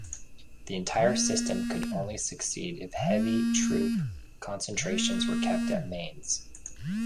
The entire system could only succeed if heavy troop concentrations were kept at Mainz.